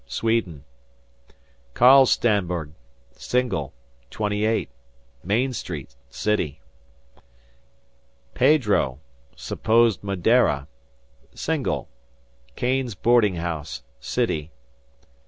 Sweden. "Carl Stanberg, single, 28, Main Street. City. "Pedro, supposed Madeira, single, Keene's boardinghouse. City.